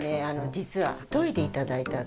実は研いでいただいたんですよ。